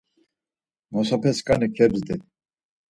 Mosapeskani kebzdi.